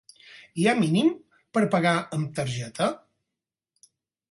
Hi ha mínim per pagar amb targeta?